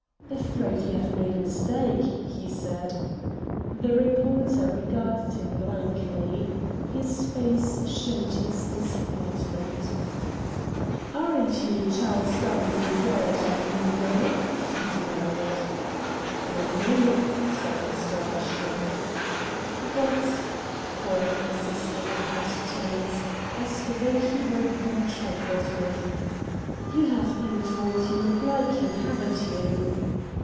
"Afraid you have made a mistake," he said. The reporter regarded him blankly. His face showed his disappointment. "Aren't you Charles W. Garrett, of New York?" he demanded. "Not me," said Mr. Ashton. "But," Ford insisted in hurt tones, as though he were being trifled with, "you have been told you look like him, haven't you?"